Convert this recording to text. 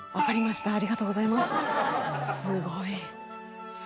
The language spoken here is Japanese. すごい。